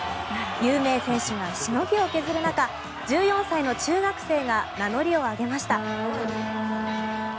有名選手がしのぎを削る中１４歳の中学生が名乗りを上げました。